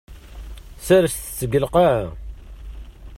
Serset-t deg lqaɛa.